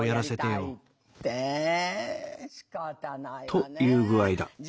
という具合だ。